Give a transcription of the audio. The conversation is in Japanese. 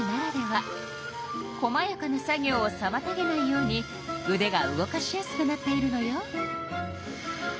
こまやかな作業をさまたげないようにうでが動かしやすくなっているのよ。